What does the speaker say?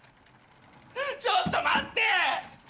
ちょっと待って！